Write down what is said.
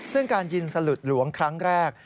ซึ่งการยิงสลุดหลวงครั้งแรก